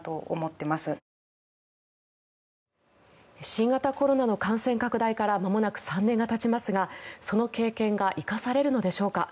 新型コロナの感染拡大からまもなく３年がたちますがその経験が生かされるのでしょうか。